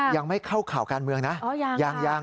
ยังไม่เข้าข่าวการเมืองนะ